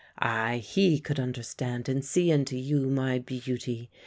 "Ay, he could understand and see into you, my beauty!